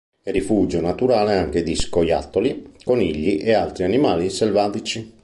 È rifugio naturale anche di scoiattoli, conigli e altri animali selvatici.